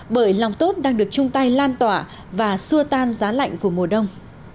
bởi lòng tốt đang được chung tay lan tỏa và xua tan giá lạnh của mùa đông